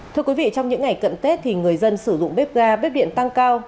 thưa quý vị trong những ngày cận tết thì người dân sử dụng bếp ga bếp điện tăng cao